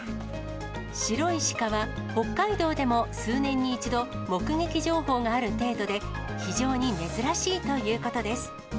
白いシカは、北海道でも数年に一度、目撃情報がある程度で、非常に珍しいということです。